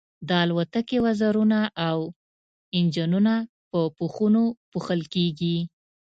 د الوتکې وزرونه او انجنونه په پوښونو پوښل کیږي